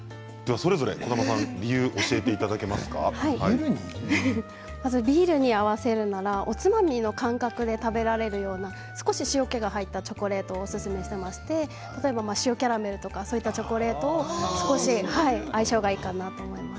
まずビールに合わせるならおつまみの感覚で食べられるような少し塩けが入ったチョコレートをおすすめしていまして塩キャラメルとか、そういったチョコレートも相性がいいかなと思います。